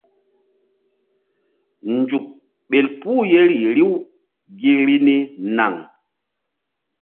Nzuk ɓel puh yeri riw gi vbi ni naŋ.